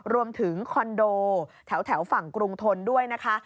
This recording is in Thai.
คอนโดแถวฝั่งกรุงทนด้วยนะคะ